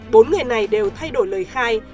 bốn người này đều thay đổi lời khai